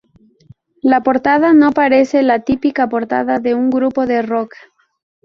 La portada no parece la típica portada de un grupo de rock.